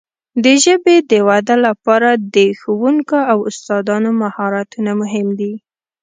د ژبې د وده لپاره د ښوونکو او استادانو مهارتونه مهم دي.